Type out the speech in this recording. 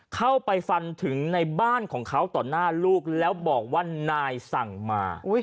เข้าไปฟันถึงในบ้านของเขาต่อหน้าลูกแล้วบอกว่านายสั่งมา